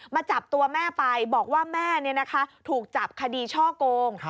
จับตัวแม่ไปบอกว่าแม่ถูกจับคดีช่อโกง